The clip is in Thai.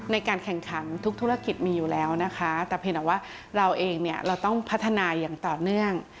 ในการแข่งขันทุกธุรกิจมีอยู่แล้วนะคะแต่เพียงแต่ว่าเราเองเนี่ยเราต้องพัฒนาอย่างต่อเนื่อง